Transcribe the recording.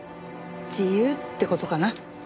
自由って事かな。